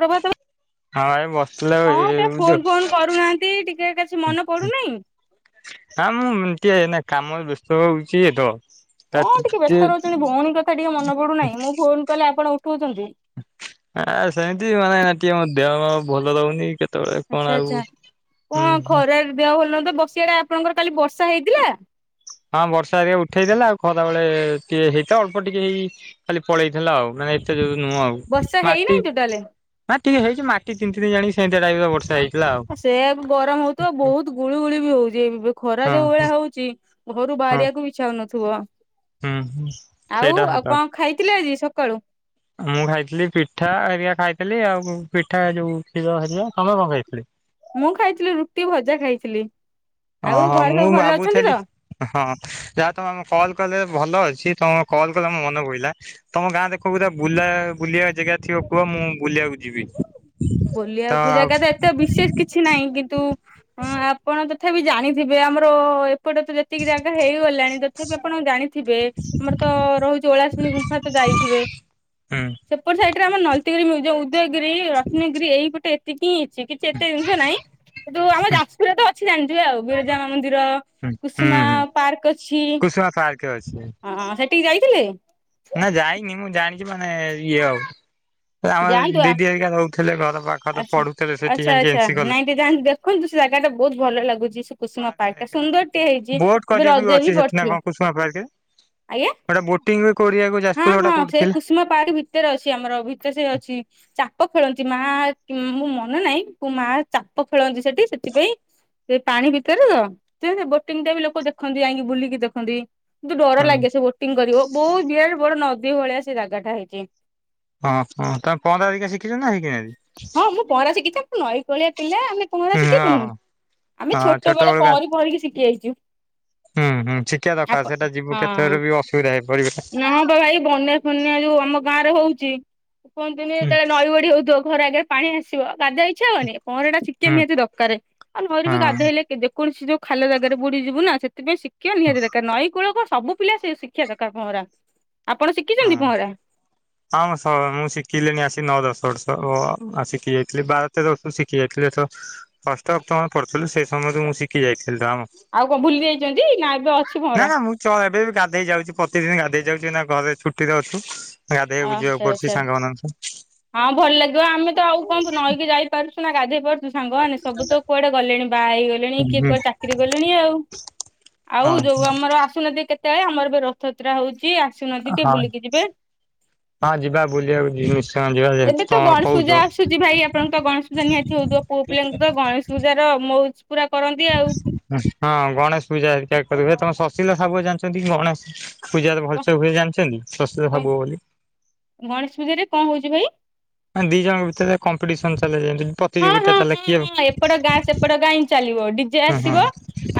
ପ୍ରଭା ତମେ ହଁ ଭାଇ ବସିଥିଲା କଣ କେବେ ଏଇ ଫୋନ୍ ଫୋନ୍ କରୁନାହାନ୍ତି ଟିକେ କିଛି ମନେ ପଡୁ ନେଇଁ? ହଁ ମୁଁ ମିଣ୍ଟିଏ ଏଇନେ କାମରେ ବ୍ୟସ୍ତ ରହୁଛି ଇଏତ। କଣ ଟିକେ ବ୍ୟସ୍ତ ରହୁଛନ୍ତି ଭଉଣୀ କଥା ଟିକେ ମନ ପଡୁନାହିଁ ମୁଁ ଫୋନ୍ କଲେ ଆପଣ ଉଠଉଛନ୍ତି। ଆ ସେମିତି ମାନେ ଟିକେ ମ ଦେହ ଭଲ ରହୁନି କେ ଆଚ୍ଛା ଆଚ୍ଛା କଣ ହୁଁ ଖରାରେ ଦେହ ଭଲ ଲାଗୁନଥିଲା ବସିିଆ ଆପଣଙ୍କର କାଲି ବର୍ଷା ହେଇଥିଲା? ହଁ ବର୍ଷା ହେରିକା ଉଠେଇ ଥିଲା ଆଉ ଖରା ବେଳେ ଟିକେ ହେଇଥା ଅଳ୍ପ ଟିକେ ହେଇ ଖାଲି ପଳେଇଥିଲା ଆଉ ନାଇଁ ଏତେ ଯୋଉ ନୁହଁ ଆଉ। ବର୍ଷା ମାଟି ହେଇନାହିଁ ଟୋଟାଲେ? ନା ଟିକେ ହେଇଛି ମାଟି ତିନ୍ତି ତିନ୍ତି ଜାଣି ସେମିତିଆ ଟାଇଟ୍ ର ବର୍ଷା ହେଇଛି। ଆଉ ସେଇଆକୁ ଗରମ ହଉଥିବ ଆଉ ବହୁତ୍ ଗୁଳିୁ ଗୁଳି ବି ହଉଛି ଏବେ। ଖରା ହଁ ଯଉ ଭଳିଆ ହଉଚି ଘରୁ ହଁ ବାହାରିବାକୁ ବି ଇଛାହଉନଥିବ? ହୁଁ ହୁଁ। ଆଉ ସେଇଟା ସତ ଆଉ କଣ ଖାଇଥିଲେ ଆଜି ସକାଳୁ? ମୁଁ ଖାଇଥିଲି ପିଠା ହେରିକା ଖାଇଥିଲି ଆଉ ପିଠା ଯୋଉ କ୍ଷୀର ହେରିକା ତମେ କଣ ଖାଇଥିଲ? ମୁଁ ଖାଇଥିଲି ରୁଟି ଭଜା ଖାଇଥିଲି ଆଉ ଓହୋ ଘରେ ମୁଁ ସବୁ ଭଲ ଅଛନ୍ତି ଭାବୁଥିଲି ତ? ହଁ ଯାହା ତମେ ଆମ କଲ୍ କଲେ ଭଲ ଅଛି ତମ କଲ୍ କଲ ମ ମନେ ପଇଲା। ତମ ଗାଁ କଉରା ବୁଲା ବୁଲିବା ଜେଗା ଥିବ କୁହ ମୁଁ ବୁଲିବାକୁ ଯିବି। ତ ବୁଲିବାକୁ ଜାଗା ତ ଏତେ ବିଶେଷ କି କିଛି ନାହିଁ କିନ୍ତୁ ଆପଣ ତଥାପି ଜାଣିଥିବେ ଆମର ଏ ସେପଟ ତ ଯେତିକି ଜାଗା ହେଇଗଲାଣି ତଥାପି ଆପଣ ଜାଣି ଥିବେ ଆମର ତ ରହୁଛି ଓଳା ଶୁଣି ଗୁମ୍ଫା ତ ଯାଇଥିବେ ହୁଁ ସେପଟ ସାଇଟ୍ ରେ ଆମର ନଲତିଗିରି ଯଉ ଉଦୟଗିରି ରତ୍ନଗିରି ଏଇପଟେ ଏତିକି ଅଛି କିଛି ଏତେ ଜିନିଷ ନାହିଁ। କି ତୁ ଆମ ଯାଜପୁରରେ ତ ଅଛି ଜାଣିଥିବେ ଆଉ ବିରଜା ମା ମନ୍ଦିର ହୁଁ ହୁଁ କୁସୁମା ହୁଁ ପାର୍କ ଅଛି। କୁସୁମା ପାର୍କ ଅଛି। ହଁ ସେଠିକି ଯାଇଥିଲେ? ନାଁ ଯାଇନି ମୁଁ ଜାଣିଛି ମାନେ ଇଏ ଆଉ। ଯାଆନ୍ତୁ ଆମର ଆ ଦିଦି ହେରିକା ରହୁଥିଲେ ଘର ପାଖରେ ପଢୁଥିଲେ ସେଠି ଯାଇକି ଏନ୍ସି କଲେ ଯଇକି ଦେଖନ୍ତୁ ସେ ଜାଗା ଟା ବହୁତ୍ ଭଲ ଲାଗୁଛି ସୁ କୁସୁମା ପାର୍କ ଟା ସୁନ୍ଦର ଟେ ହେଇଛି ବୋଟ ଏବେ କରିବାକୁ ରଜ ଅଛି ବି ସେଠି ନା ପଡିଥିଲା କଣ କୁସୁମା ପାର୍କରେ ଆଜ୍ଞା? ଗୋଟେ ବୋଟିଂ ବି କରିବାକୁ ଯାଜପୁରେ ଗୋଟା କୋଉଥି ଥିଲା? ମା ପାରି ଭିତରେ ଅଛି ଆମର ଭିତରେ ସେ ଅଛି ଚାପ ଖେଳନ୍ତି ମା ମୁଁ ମନେ ନାହିଁ। କୁ ମା ଚାପ ଖେଳନ୍ତି ସେଠି ସେଥିପାଇଁ ସେ ପାଣି ଭିତରେ ତ ସେ ବୋଟିଙ୍ଗ ଟା ବି ଲୋକ ଦେଖନ୍ତି ଯାଇକି ବୁଲିକି ଦେଖନ୍ତି। କିନ୍ତୁ ଡର ହଁ ଲାଗେ ସେ ବୋଟିଂ କରିବ ବହୁତ୍ ବିରାଟ ବଡ ନଦୀ ଭଳିଆ ସେ ଜାଗାଟା ହେଇଛି। ହଁ ହଁ ତମେ ପହଁରା ହେରିକା ଶଖିଛ ନା ହି [unintelligible] ହଁ ମୁଁ ପହଁରା ଶିଖିଛି ନଇ କୁଳିଆ ପିଲା ଆମେ ପହଁରା ହଁ ଶିଖିବୁନୁ? ହଁ ଆମେ ହଁ ଛୋଟ ବେଳେ ବେଳୁ କା ପହଁରି ପହଁରିକି ଶିଖି ଯାଇଛୁ। ହୁଁ ହୁଁ ଶିଖିବା ଆପ ଦରକାର ସେଟା ଯିବୁ ହଁ କେତବେଳେ ବି ଅସୁବିଧା ପଡିବ ନା ହଁ ବା ଭାଇ ବନ୍ୟା ଫନ୍ୟା ଯୋଉ ଆମ ଗାଁ ରେ ହଉଛି କୁହନ୍ତୁ ହୁଁ ଯେତେବେଳେ ନଈ ବଢି ହଉଥିବ ଘରେ ଆଗରେ ପାଣି ଆସିବ ଗାଧେଇ ଇଚ୍ଛା ହବନି ପହର ଟା ଚିକେ ହୁଁ ନିହାତି ଦରକାର ଆଉ ନହେ ବି ହଁ ଗାଧୋଇଲେ ଦେ କୌଣସି ଯୋଉ ଖାଲି ଜାଗାରେ ବୁଡିଯିବୁ ନା ସେଥିପାଇଁ ଶିକ୍ଷା ନିହାତି ଦରକାର ନଈ କୂଳ ସବୁ ପିଲା ସେ ଶିକ୍ଷା ଦରକାର ପହଁରା ଆପଣ ଶିଖିଛନ୍ତି ହଁ। ପହଁରା? ହଁ ସ ମୁଁ ଶିଖିଲିଣି ଆସି ନଅ ଦଶ ବର୍ଷ ଶିଖି ଯାଇଥିଲି ବାର ତେର ବର୍ଷରୁ ଶିଖି ଯାଇଥିଲି ତ [unintelligible] ପଢୁଥିଲି ସେ ସମୟରେ ମୁଁ ଶିଖି ଯାଇଥିଲି ର ଆଉ କଣ ଭୁଲି ଯାଇଛନ୍ତି ନା ଏବେ ଅଛି ନା ପହଁରା? ନା ମୁଁ ଚ ଏବେ ବି ଗାଧେଇ ଯାଉଛି ପ୍ରତିଦିନ ଗାଧେଇ ଯାଉଛି ନା ଘରେ ଛୁଟିରେ ଅଛୁ ଗାଧୋଇବାକୁ ଆଚ୍ଛା ଯିବାକୁ ପଡୁଛି ଆଚ୍ଛା। ସାଙ୍ଗମାନଙ୍କ ହଁ ଭଲ ଲାଗିବ ଆମେ ତ ଆଉ କଣ ନଈକି ଯାଇପାରୁଛୁ ନା ଗାଧେଇ ପାରୁଛୁ ସାଙ୍ଗମାନେ ସବୁ ତ କୁଆଡେ ଗଲେଣି? ବାହା ହୁଁ ହେଇଗଲେଣି କିଏ ହୁଁ କ ଚାକିରି କଲେଣି ଆଉ ଆଉ ହଁ ଯୋଉ ଆମର ଆସୁନାହାନ୍ତି କେତେବେଳେ ଆମର ଏବେ ରଥଯାତ୍ରା ହଉଛି ଆସୁନା ଟିକେ ହଁ। ବୁଲିକି ଯିବେ ହଁ ଯିବା ବୁଲିବାକୁ ଜି ଏବେ ତ ଗଣେଶ ପୂଜା ଆସୁଛି ଭାଇ ଆପଣଙ୍କ ତ ଗଣେଶ ପୂଜା ନିହାତି ହଉଥିବ ପୁଅ ପିଲାଙ୍କ ଗଣେଶ ପୂଜା ର ମଉଜ ପୁରା କରନ୍ତି ଆଉ। ହଁ ଗଣେଶ ପୂଜା ତ୍ୟାଗ କରିବୁ ଏ ତମ ସଶୀଲ ସାବୁ ଜାଣିଛନ୍ତି ଗଣେଶ ପୂଜା ଭଲସେ ହୁଏ ଜାଣିଛନ୍ତି [unintelligible] ବୋଲି। ଗଣେଶ ପୂଜା ରେ କଣ ହଉଛି ଭାଇ? ଦି ଜଣଙ୍କ ଭିତରେ କମ୍ପିଟିସନ ଚାଲିଯା ହଁ ହଁ ହଁଁ ଏପଟ ଗାଁ ସେପଟ ଗାଁ ଏନ୍ତି ଚାଲିବ ଡିଜେ ଆସିବ ହୁଁ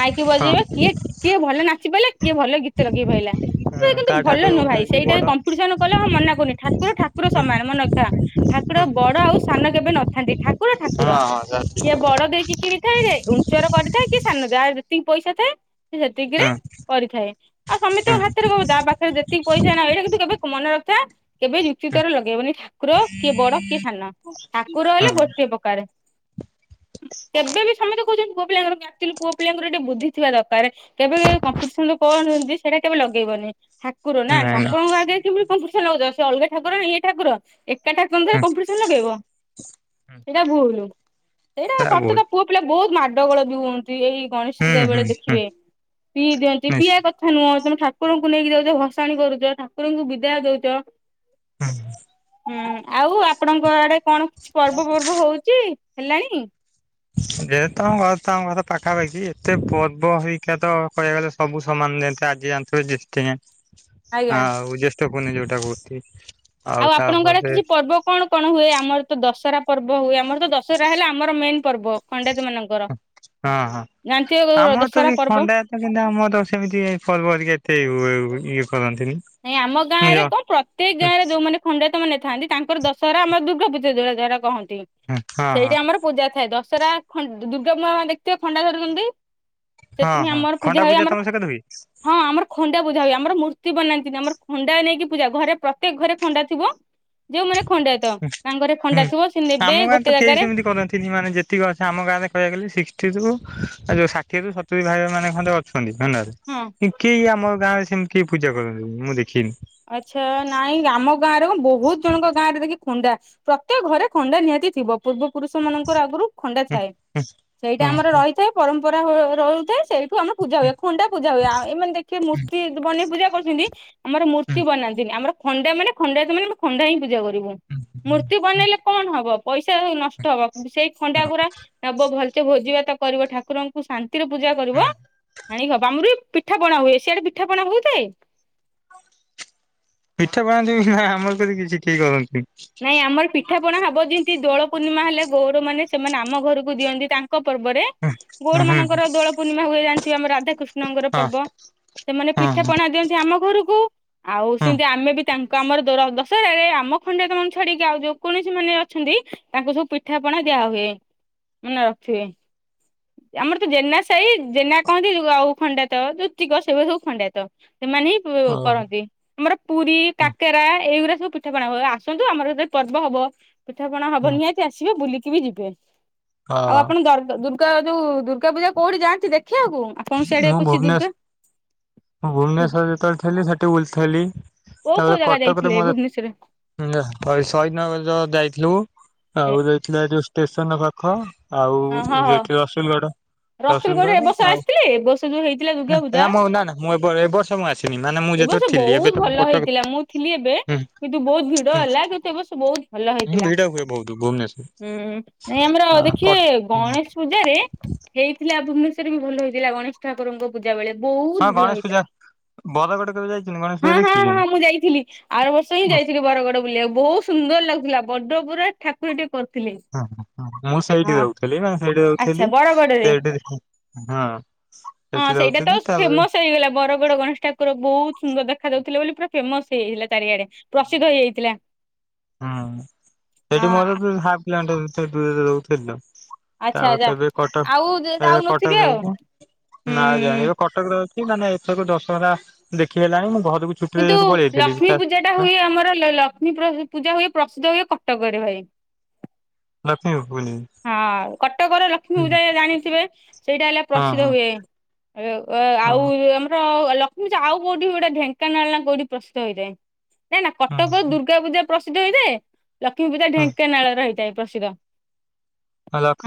ଆାଇକି ବଜେଇବେ ହଁ କିଏ କିଏ ଭଲ ନାଚି ପାରିଲା କିଏ ଭଲ ଗୀତ ଲଗେଇ ପାରିଲା ହଁ ଭ କିନ୍ତୁ କାହା ଭଲ ଠାକୁର ନୁହଁ ଭାଇ ହେଇଛି ସେଇଟା ବଡ ହୁଁ କମ୍ପିଟିସନ କଲେ ହଁ ମନା କରୁନି ଠାକୁର ଠାକୁର ସମାନ ମନେ ରଖିଥା ଠାକୁର ହୁଁ ବଡ ଆଉ ସାନ କେବେ ନଥାନ୍ତି ଠାକୁର ଠାକୁର ହଁ ହଁ ଜାଣିଛି ହୁଁ ସିଏ ବଡ ଦେଇକି କିଣି [unintelligible] ଉଞ୍ଚର କରିଥାଏ କି ସାନ ଯାହାର ଯେତିକି ପଇସା ଥାଏ ସେ ସେତିକିରେ ହୁଁ କରିଥାଏ ଆଉ ସମତିଙ୍କ ହୁଁ ହାତରେ କହୁ ତା ପାଖରେ ଯେତିକି ପଇସା ନାହି କିନ୍ତୁ କେବେ ମନେ ରଖ କେବେ ଯୁକ୍ତି ତର ଲଗେଇବନି ଠାକୁର କିଏ ବଡ କିଏ ସାନ ଠାକୁର ହେଲେ ଗୋ ହଁ [unintelligible] କେବେ ବି ସମସ୍ତେ କହୁଛନ୍ତି ପୁଅ ପିଲାଙ୍କର ଆକ୍ଚୁଲି ପୁଅ ପିଲାଙ୍କର ଟିକେ ବୁଦ୍ଧି ଥିବା ଦରକାର କେବେ କେ କମ୍ପିଟିସନ [unintelligible] ସେଇଟା କେବେ ଲଗେଇବନି ଠାକୁର ନା ନାଇଁ ନାଇଁ ଠାକୁରଙ୍କ ଆଗେ [unintelligible] କମ୍ପିଟିସନ ଲଗଉଛ ସେ ଅଲଗା ଠାକୁର ନା ଇଏ ଠାକୁର କେଟା ହୁଁ ହୁଁ କମ୍ପିଟିସନ ଲଗେଇବ ସେଇଟା ଭୁଲୁ ସେଇଟା ତା ସତ ବହୁତ ତ ପୁଅ ପିଲା ବହୁତ ମାଡ ଗୋଳ ବି ହୁଅନ୍ତି ଏଇ ଗଣେଶ ପୂଜା ହୁଁ ଏ ହୁଁ ବେଳେ ହୁଁ ଦେଖିବେ ପିଇ ଦିଅନ୍ତି ପିଇବା ନିଶ୍ଚୟ କ ଥା ନୁହଁ ତମେ ଠାକୁରଙ୍କୁ ନେଇକି ଦଉଛ ଭସାଣି କରୁଛ ଠାକୁରଙ୍କୁ ବିଦାୟ ଦଉଛ ହୁଁ ଆଉ ଆପଣଙ୍କ ଆଡେ କଣ କିଛି ପର୍ବ ପର୍ବ ହଉଛି ହେଲାଣି? ଯେ ତମ ଘ ତମ ଘର ପାଖାପାଖି ଏତେ ପର୍ବ ହେଇକା ତ କହିବାକୁ ଗଲେ ସବୁ ସମାନ ଯେନ୍ତେ ଆଜି ଯାଣିଥିବେ [unintelligible] ଆଜ୍ଞା। ହଁଉ ଜ୍ୟେଷ୍ଠ ପୂର୍ଣ୍ଣଣି ଯୋଉଟା କରୁଛି ଆଉ ଆପଣଙ୍କର କିଛି ପର୍ବ କଣ କଣ ହୁଏ ଆମର ତ ଦଶରା ପର୍ବ ହୁଏ ଆମର ତ ଦଶହରା ହେଲେ ଆମର ମେନ ପର୍ବ ଖଣ୍ଡାୟତ ମାନଙ୍କର ହଁ ଜାଣିଥିବେ ଦଶହରା ପର୍ବ କି ଆମର ତ ସେମିତି ଫର୍ ଫରିକ ଏତେ ଇଏ କରନ୍ତିି ନାଇଁ ଆମ ଗାଁ ରେ କଣ ପ୍ରତ୍ୟେକ ଗାଁରେ ଯୋଉମାନେ ଖଣ୍ଡେତ ମାନେ ଥାନ୍ତି ତାଙ୍କର ଦଶହରା ଆମର ଦୁର୍ଗା ପୂଜା ଯଉ ଯଵାରା କହନ୍ତି ହଁ ହଁ ସେଇଠା ଆମର ପୂଜା ଥାଏ ଦଶହରା ଦୁର୍ଗା ପୂା ଦେଖୁଥିବ ଖଣ୍ଡା ଧରୁଛନ୍ତି। ହଁ ସେଥିପାଇଁ ହଁ ଆମର ପୂଜା ଖଣ୍ଡା ହୁଏ ଆମର ତମ ସେକରେ ହୁଏ? ହଁ ଆମର ଖଣ୍ଡା ପୂଜା ହୁଏ ଆମର ମୂର୍ତ୍ତି ବନାନ୍ତି। ଆମର ଖଣ୍ଡା ନେଇକି ପୂଜା ଘରେ ପ୍ରତ୍ୟେକ ଘରେ ଖଣ୍ଡା ଥିବ ଯୋଉ ମାନେ ଖଣ୍ଡା ଥିବ। ତ ତାଙ୍କରେ ଖଣ୍ଡା ହୁଁ ଥିବ ସେ ନେବେ ଆମ ଗାଁରେ ତ ଗୋଟେ କେହି ଜାଗାରେ ସେମିତି କରନ୍ତିନି ମାନେ ଯେତ ତିକି ଅଛି ଆମ ଗାଁରେ କହିବା ଗଲି ସିକ୍ସଟିରୁ ଯୋଉ ଷାଠିଏରୁ ସତୁରି ଭାଗେ ମାନେ ଖଣ୍ଡେ ଅଛନ୍ତି [unintelligible] ରେ ହଁ। କେହି ଆମର ଗାଁରେ ସେମତି କେହି ପୂଜା କରନ୍ତିନି ମୁଁ ଦେଖିନି। ଆଚ୍ଛା ନାଇଁ ଆମ ଗାଁରେ କ ବହୁତ ଜଣଙ୍କ ଗାଁ ରେ ଦେଖି ଖୁଣ୍ଡା ପ୍ରତ୍ୟେକ ଘରେ ଖଣ୍ଡା ନିହାତି ଥିବ। ପୂର୍ବ ପୁରୁଷ ମାନଙ୍କର ଆଗରୁ ଖଣ୍ଡା ଥାଏ, ସେଇଟା ଆମର ରହିଥାଏ ପରମ୍ପରା ହୋ ରହୁଥାଏ ସେଇ ଠୁ ଆମର ପୂଜା ହୁଏ, ଖଣ୍ଡା ପୂଜା ହୁଏ, ଆଉ ଏମାନେ ଦେଖେ ମୂର୍ତ୍ତି ବନେଇ ପଜା କରୁଛନ୍ତି, ଆମର ମୂର୍ତ୍ତି ମୂର୍ତ୍ତି ବନାନ୍ତିନି, ଆମର ଖଣ୍ଡା ମାନେ ଖଣ୍ଡାୟତ ମାନେ ଖଣ୍ଡା ହିଁ ପୂଜା କରିବୁ, ମୂର୍ତ୍ତି ବନେଇଲେ କଣ ହବ। ପଇସା ନଷ୍ଟ ହବ, ସେଇ ଖଣ୍ଡା ଗୁରା ନବ ଭଲସେ ଭୋଜିବାତ କରିବ, ଠାକୁରଙ୍କୁ ଶାନ୍ତିରେ ପୂଜା କରିବ। ଆଣି କବ ଆମ ପିଠା ପଣା ହୁଏ, ସିଆଡେ ପିଠା ପଣା ହଉଥାଏ। ପିଠା ପଣାନ୍ତି ବି ନା ଆମର କେଦି କିଛି କେହି କରନ୍ତିନି। ନାଇଁ ଆମର ପିଠାପଣା ହବ, ଯେମିତି ଦୋଳ ପୂର୍ଣ୍ଣିମା ହେଲେ ଗୌରମାନେ ସେମାନେ ଆମ ଘରକୁ ଦିଅନ୍ତି, ତାଙ୍କ ପର୍ବରେ ଗୌଡ ହଁ ମାନଙ୍କର ଦୋଳ ପୁର ପୂର୍ଣ୍ଣିମା ହୁଏ ଜାଣିଥିବ ଆମ ରାଧାକୃଷ୍ଣଙ୍କର ହଁ ପର୍ବ, ସେମାନେ ହଁ ପିଠା ପଣା ଦିଅନ୍ତି ଆମ ଘରକୁ ଆଉ ହଁ। ସେମିତି ଆମେ ବି ତାଙ୍କୁ ଆମର ଦଶହରାରେ ଆମ ଖଣ୍ଡାୟତ ମାନଙ୍କୁ ଛାଡିକି ଆଉ ଯୋଉ କଣସି ମାନ ଅଛନ୍ତି, ତାଙ୍କୁ ସବୁ ପିଠାପଣା ଦିଆ ହୁଏ। ମନେ ରଖିବେ। ଆମର ତ ଜେନା ସାହି ଜେନା କହନ୍ତି ଆଉ ଖଣ୍ଡାୟତ ଜୋତିକ ସେ ସବୁ ଖଣ୍ଡାୟତ। ସେମାନେ ହିଁ ଓହୋ କରନ୍ତି, ଆମର ପୁରୀ, ହଁ କାକେରା ଏଇଗୁରା ସବୁ ପିଠାପଣା ହୁଏ। ଆସନ୍ତୁ, ଆମର କେତେ ପର୍ବ ହବ ପିଠା ପଣା ହବ, ହଁ ନିହାତି ଆସିବେ ବୁଲିକି ବି ଯିବେ। ଆଉ ହଁ ଆପଣ ଦ ଦୁର୍ଗା ଯୋଉ ଦୁର୍ଗା ପୂଜା କୋଉଠି ଯାଆନ୍ତି ଦେଖିଆକୁ? କଣ ସିଆଡି ମୁଁ କୁ ଅଛି ଭୁବନେଶ ଦୁର୍ଗା। ମୁଁ ଭୁବନେଶ୍ୱରରେ ଯେତେଳେ ଥିଲି ସେଠି ବୁଲ ଥିଲି, କୋଉ କୋଉ ତାପରେ ଜାଗା କଟକରେ ଯାଇଥିଲେ ମୋ ଭୁବନେଶ୍ୱରରେ ସହିଦ୍ ନଗର ଯାଇଥିଲୁ, ଆଉ ଯାଇଥିଲୁ ଯୋଉ ଷ୍ଟେସନ ପାଖ। ଆଉ ହଁ ହଁ ଯେଠି ରସୁଲଗଡ ରସୁଲ ଗଡ ଏ ରସୁଲଗଡ ବର୍ଷ ଆଉ ଆସିଥିଲେ ଏ ବର୍ଷ ଯୋଉ ହେଇଥିଲା ଦୁର୍ଗା ପୂଜା ନା ମୁଁ ନା ନା ମୁଁ ଏବ ବର୍ଷ ମୁଁ ଆସିନି ମାନେ ମୁଁ ଏ ବର୍ଷ ଯେତେବେଳେ ଥିଲି ବହୁତ ଏବେ ତ ଭଲ କଟକ ହେଇଥିଲା ମୁଁ ଥିଲି ଏବେ ହୁଁ କିନ୍ତୁ ବହୁତ ଭିଡ ହୁଁ ହେଲା କିନ୍ତୁ ଏବେ ସେ ବହୁତ ଭଲ ହୁଁ ହେଇଥିଲା, ଭିଡ ହୁଏ ବହୁତ ଭୁବନେଶ୍ୱର ହୁଁ। ନାଇଁ ଆମର ହଁ ଦେଖିବେ କଟ ଗଣେଶ ପୂଜାରେ ହେଇଥିଲା ଭୁବନେସ୍ଵରରେ ବି ଭଲ ହେଇଥିଲା ଗଣେଶ ଠାକୁରଙ୍କ ପୂଜା ବେଳେ ବହୁତ ହଁ ଭଲ ଗଣେଶ ପୂଜା ହେଇଥିଲା। ବରଗଡ କେବେ ଯାଇଛନ୍ତି ଗଣେଶ ପୂଜା ହଁ ହଁ ହଁ ଦେଖିଛନ୍ତି? ମୁଁ ଯାଇଥିଲି, ଆର ବର୍ଷ ହିଁ ଯାଇଥିଲି ବରଗଡ ବୁଲିଆକୁ ବହୁତ ସୁନ୍ଦର ଲାଗୁଥିଲା ବଡ ପୁରା ଠା ଟିକେ କରିଥିଲି। ହଁ ହଁଁ ମୁଁ ସେଇଠୀ ରହୁଥିଲି ନା ସେଇଟି ଆଚ୍ଛା ରହୁଥିଲି। ବରଗଡରେ ସେଇଠି ହଁ ହଁ ସେଠି ସେଇଟା ତ ରହୁଥିଲି ତାପରେ ଫେମସ ହେଇଗଲା ବରଗଡ ଗଣେଶ ଠାକୁର ବହୁତ ସୁନ୍ଦର ଦେଖା ଯାଉଥିଲା ବୋଲି ପୁରା ଫେମସ ହେଇଥିଲା ଚାରିଆଡେ। ପ୍ରସିଦ୍ଧ ହେଇଯାଇଥିଲା। ହୁଁ ସେଠି ହଁ ମୋର ତ ହାପ୍ କିଲୋମିଟର ଭିତରେ ଦୂରରେ ରହୁଥିଲି ତ। ଆଚ୍ଛା ତାପରେ ଆଚ୍ଛା ତ ଏବେ କଟକ ଆଉ ଏବେ ଯାଉନଥିବେ କଟକ ଆଉ ନା ହୁଁ ଜାଣିବେ କଟକ କଟକରେ ଅଛି, ମାନେ ଏଥର ଦଶହରା ଦେଖିହେଲାଣି ମୁଁ ଘରକୁ ଛୁଟିରେ କିନ୍ତୁ ଯେହେତୁ ପଳେଇ ଯାଇଥିଲି ଲକ୍ଷ୍ମୀ ତା ପୂଜା ଟା ଆଁ ହୁଏ, ଆମର ଲକ୍ଷ୍ମୀ ପୂଜା ହୁଏ ପ୍ରସିଦ୍ଧ ହୁଏ କଟକରେ ଭାଇ। ଲକ୍ଷ୍ମୀ [unintelligible] ହଁ କଟକର ଲକ୍ଷ୍ମୀ ପୂଜା ଜାଣିଥିବେ, ସେଇଟା ହେଲା ହଁ ପ୍ରସିଦ୍ଧ ହଁ ହୁଏ। ଆଉ ହଁ ଆମର ଲକ୍ଷ୍ମୀପୂଜା ଆଉ କୋଉଠି ଗୋଟେ ଢେଙ୍କାନାଳ ନା କୋଉଠି ପ୍ରସ୍ତୁତ ହେଇଥାଏ। ନାଇଁ ନା ହଁ କଟକ ଦୁର୍ଗା ପୂଜା ପ୍ରସିଦ୍ଧ ହେଇଥାଏ, ଲକ୍ଷ୍ମୀ ପୂଜା ହଁ ଢେଙ୍କାନାଳ ର ହେଇଥାଏ ପ୍ରସିଦ୍ଧ।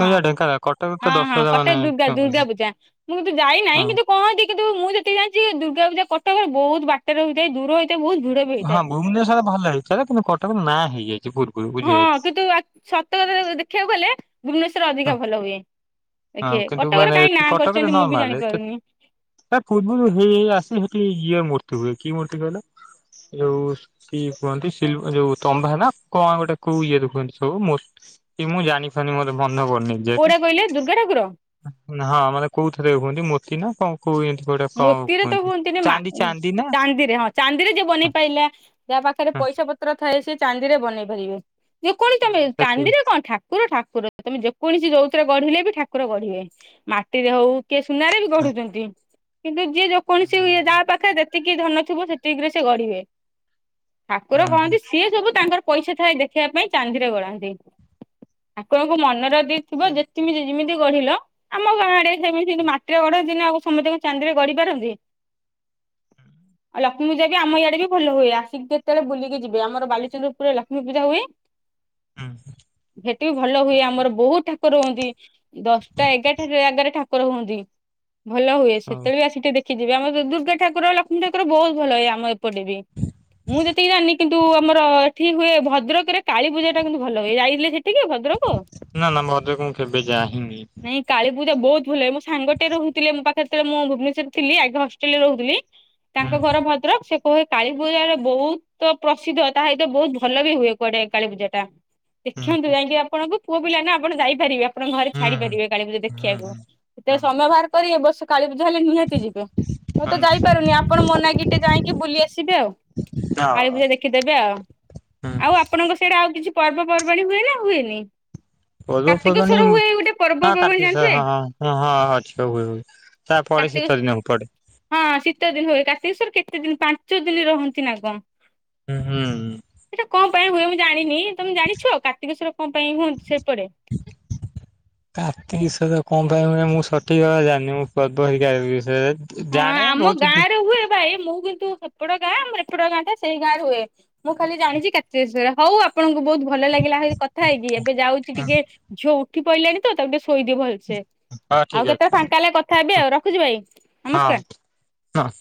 ହଁ ପୂଜା ଢେଙ୍କାନାଳ କଟକ ତ ହଁ ହଁ ଦଶହରା କଟକ ମାନେ ଦୁର୍ଗା ଫେମସ୍। ଦୁର୍ଗା ପୂଜା, ମୁଁ କିନ୍ତୁ ଯାଇନାହିଁ ହଁ କିନ୍ତୁ କହନ୍ତି କିନ୍ତୁ ମୁଁ ଯେତିିକି ଜାଣିଛି, ଦୁର୍ଗା ପୂଜା କଟକରେ ବହୁତ ବାଟରେ ହଇଥାଏ, ଦୂର ହେଇଥାଏ, ବହୁତ ଭିଡ ବି ହଁ ହେଇଥାଏ। ଭୁବନେଶ୍ୱର ଭଲ ହେଇଥାଏ, କିନ୍ତୁ କଟକ ନାଁ ହେଇଯାଇଛି। ତୁ ଫୋନ କରୁ। ହଁ କିନ୍ତୁ ଆ ସତରେ ଦେଖିବାକୁ ଗଲେ ଭୁବନେଶ୍ଵର ହଁ ଅଧିକା ଭଲ ହୁଏ। ହଁ ଦେଖେ କିନ୍ତୁ କଟକରେ ମାନେ କାହିଁ ଏଠି ନାଁ କଟକରେ କରିଚନ୍ତି ମୁଁ ବି ନର୍ମାଲ ଜାଣିପାରୁନି। ତା ପୂର୍ବରୁ ହେଇ ହେଇ ଆସି ହେଠି ଇଏ ମୂର୍ତ୍ତି ହୁଏ କି ମୂର୍ତ୍ତି କହିଲ ଯଉ କିଏ କୁହନ୍ତି ସିୟ ଯୋଉ ତମ୍ବା ନା କଣ ଗୋଟେ କୋଉ ଇଏ ଦେଖହନ୍ତି ସବୁ ମୋର କିଏ ମୁଁ ଜାଣିପାରୁନି ମୋର ମନେ ପଢନି। କୋଉଟା କହିଲେ ଦୁର୍ଗାଠାକୁର। ନା ହଁ ମାନେ କୋଉଥରେ ହୁଅନ୍ତି ମୋତି ନା କଣ? କୋଏନ୍ତି କୋଟା କଣ ମୋତିରେ ତ କୁହନ୍ତି ହୁଅନ୍ତିନି ମା ଚାନ୍ଦି ଚାନ୍ଦି ନା। ଚାନ୍ଦିରେ ହଁ ଚାନ୍ଦିରେ ଯିଏ ବନେଇ ପାଇଲା ଯାହା ପାଖରେ ହଁ ପଇସା ପତ୍ର ଥାଏ ସେ ଚାନ୍ଦିରେ ବନେଇ ପାରିବେ। ଯେକୌଣି ତମେ ହଁ ସେଠି ଚାନ୍ଦିରେ କଣ ଠା ଠାକୁର ଠାକୁର ତମେ ଯେକୌଣସି ଯଉତିରେ ଗଢିଲେ ବି ଠାକୁର ଗଢିବେ ମାଟିରେ ହଉ କିଏ ସୁନାରେ ବି ହଁ ଗଢୁଚନ୍ତି। କିନ୍ତୁ ଯିଏ ଯେକୌଣସି ଏ ଯାହା ହୁଁ ପାଖରେ ଯେତିକି ଧନ ଥିବ ସେତିକି ରେ ସେ ଗଢିବେ। ଠାକୁର ହୁଁ ହୁଁ କହନ୍ତି ସିଏ ସବୁ ତାଙ୍କର ପଇସା ଥାଏ ଦେଖିବା ପାଇଁ ଚାନ୍ଦିରେ ଗଢାନ୍ତି ଠାକୁର ଙ୍କୁ ମନରଦିଥିବ ଯେତିକି ଯେମିତି ଗଢିଲ ଆମ ଗାଁଆଡେ ସେମିତି ସେମିତି ମାଟିରେ ଗଢ ନ୍ତିନା ଆଉ ସମତେ ଚାନ୍ଦିରେ ଗଢି ପାରନ୍ତି। ଆଉ ଲକ୍ଷ୍ମୀ ପୂଯା ଯିଏ ଆମ ଇଆଡ଼େ ବି ଭଲ ହୁଏ ଆସିକି କେତେବେଳେ ବୁଲିକି ଯିବେ ଆମର ବାଲିଚନ୍ଦ୍ରପୁରୁରେ ଲକ୍ଷ୍ମୀ ପୂଜା ହୁଏ। ଉୁଁ। ହେଟି ଭଲ ହୁଏ ଆମର ବହୁତ୍ ଠାକୁର ହୁଅନ୍ତି ଦଶଟା ଏଗାରଟା ଜାଗାରେ ଠା ଠାକୁର ହୁଅନ୍ତି ଭଲ ହୁଏ। ହଉ କେବେ ବି ଆସିକି ଟିକେ ଦେଖିି ଯିବେ ଆମର ବି ଦୁର୍ଗାଠାକୁର ଲକ୍ଷ୍ମୀଠାକୁର ବହୁତ୍ ଭଲ ଇଏ ଆମ ଏପ ପଲିରେ ମୁଁ ଯେତିକି ଜାନି କିନ୍ତୁ ଆମର ଏଠି ହୁଏ ଭଦ୍ରକରେ କାଳୀ ପୂଜା ଟା କିନ୍ତୁ ଭଲ ହୁଏ ଯାଇଥିଲି ସେ ଠିକି ଭଦ୍ରକ ନା ନା ଭଦ୍ରକ ମୁଁ କେବେ ଯାଇନି ନାଇ କାଳୀ ପୂଜା ବହୁତ୍ ଭଲ ଲାଗେ। ସାଙ୍ଗଟେ ରହୁଥିଲେ ମୋ ପାଖରେ ତେବେଳେ ମୁଁ ଭୁବନେଶ୍ଵର ଥିଲି ଆଇକନ୍‌ ହଷ୍ଟେଲ ରେ ରହୁଥିଲି ହୁଁ ତାଙ୍କ ଘର ଭଦ୍ରକ ସେ କୁହେ କାଳୀ ପୂଜାରେ ବହୁତ୍‌ ତ ପ୍ରସିଦ୍ଧ ତାହା ଏବେ ବହୁତ୍ ଭଲ ବି ହୁଏ କୁଆଡେ କାଳୀ ପୂଜା ଟା। ହୁଁ ଦେଖନ୍ତୁ ଯାଇଁକି ଆପଣଙ୍କୁ ପୁଅ ପିଲା ନା ଆପଣ ଯାଇପାରିବେ। ଆପଣ ଘରେ ହୁଁ ଛାଡି ପାରିବେ କାଳୀୂଜା ହୁଁ ଦେଖିବାକୁ ହୁଁ ହଁ କେତେଳେ ସମୟ ବାହାର କରି ଏବ ବର୍ଷ କାଳୀ ତାହେଲେ ନିହାତି ଯିବେ ମୁଁ ହଁ ତ ଯାଇପାରୁନି ନିଶ୍ଚୟ ଆପଣ ମୋନାଗିଟେ ଯାଇଁକି ବୁଲି ଆସିବେ ଆଉ। ହଁ। କଳୀପୂଜା ଦେଖିଦେବେ ଆଉ ଆଉ ଆପଣଙ୍କ ସିଆଡେ ଆଉ କିଛି ପର୍ବପର୍ବାଣୀ ହୁଏ ନା ହୁଏନି। ପର୍ବପର୍ବାଣୀ କାର୍ତ୍ତିକଶ୍ୱର ହୁଏ ଏଇ ଗୋଟେ ପର୍ବ ହଁ ର୍ପବାଣୀ କାର୍ତ୍ତିକ ସ୍ୱ ଜାଣିଥିବେ। ହଁ ହଁ ହଁ ଅଛି ହୁଏ ହୁଏ ତା ପଡେ କାର୍ତ୍ତିକେଶ୍ଵର ଶୀତ ଦିନକୁ ପଡେ। ହଁ ଶୀତ ଦିନ ହୁଏ କାର୍ତ୍ତୀକେଶ୍ଵର କେତେ ଦିନ ପାଞ୍ଚ ଦିନେ ରହନ୍ତି ନା କଣ? ହୁଁ ହୁଁ। ସେଟା କଣ ପାଇଁ ହୁଏ ମୁଁ ଜାଣିନି ତମେ ଜାଣିଛ କାର୍ତ୍ତୀକେଶ୍ୱର କଣ ପାଇଁ ହୁଅନ୍ତି ସେପଟେ? କାର୍ତ୍ତିକେଶ୍ଵର କଣ ପାଇଁ ହୁଏ ମୁଁ ସଠିକ ଭାବରେ ଜାଣିନି ମୁଁ ପର୍ବ ଅଧିକାର ବିଷୟରେ। ହଁ ଜାଣେ ଆମ ବହୁତ ଗାଁ ରେ ହୁଏ ଭାଇ ମୁଁ କିନ୍ତୁ ସେପଟ ଗାଁ ଆମର ଏପଟ ଗାଁ ଟା ସେଇ ଗାଁ ରେ ହୁଏ। ମୁଁ ଖାଲି ଜାଣିଛି କାର୍ତ୍ତୀଶ୍ଵର ହଉ ଆପଣଙ୍କୁ ବହୁତ ଭଲ ଲାଗିଲା ହେଇ କଥା ହେଇକି ଏବେ ଯାଉଛି ଟିକିଏ ଝିଅ ଉଠି ପଇଲାଣି ତ ତାକୁଟେ ଶୋଇଦିଏ ଭଲ ସେ ହଁ ଆଉ ଠିକ କେତେବେଳେ ଅଛି ଫାଙ୍କା ହେଲେ କଥା ହେବି ଆଉ ରଖୁଛି ଭାଇ। ନମସ୍କାର। ହଁ ହଁ।